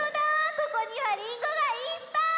ここにはりんごがいっぱい！